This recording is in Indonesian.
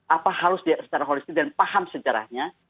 apa harus secara holistik dan paham sejarahnya